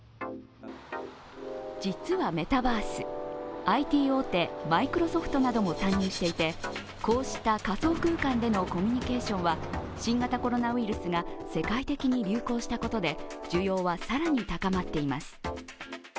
実はメタバース、ＩＴ大手マイクロソフトなども参入していてこうした仮想空間でのコミュニケーションは新型コロナウイルスが世界的に流行したことで需要は更に高まっています。